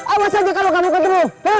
awas aja kalau kamu ketemu